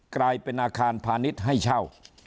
กลายเป็นอาคารพาณิชย์ให้เช่า